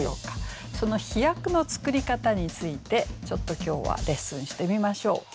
その「飛躍」の作り方についてちょっと今日はレッスンしてみましょう。